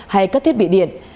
hay các thiết bị điện